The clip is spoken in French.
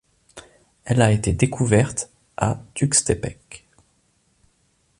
Elle a été découverte à Tuxtepec.